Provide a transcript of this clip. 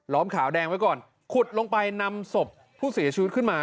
ขาวแดงไว้ก่อนขุดลงไปนำศพผู้เสียชีวิตขึ้นมา